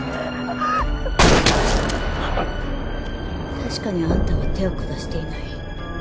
確かにあんたは手を下していない。